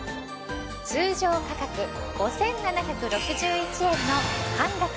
通常価格５，７６１円の半額！